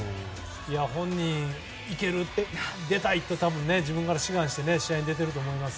本人、行ける、出たいって自分から志願して試合に出ていると思います。